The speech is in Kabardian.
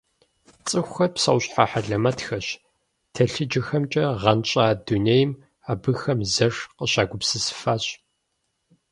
Цӏыхухэр псэущхьэ хьэлэмэтхэщ - телъыджэхэмкӏэ гъэнщӏа дунейм абыхэм зэш къыщагупсысыфащ.